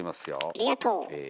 ありがとう！え？